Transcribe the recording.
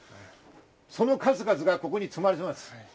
その数々がここに積まれています。